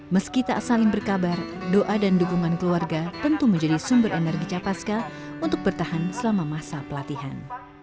meski tak saling berkabar doa dan dukungan keluarga tentu menjadi sumber energi capaska untuk bertahan selama masa pelatihan